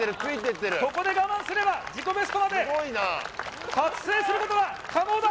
ここで我慢すれば自己ベストまで達成することが可能だ